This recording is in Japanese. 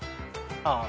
ああ